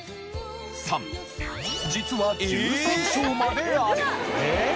３実は１３章まである。